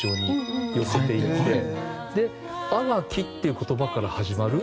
で「淡き」っていう言葉から始まる。